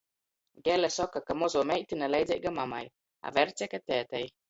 Gele soka, ka mozuo meitine leidzeiga mamai, a Verce — ka tētei.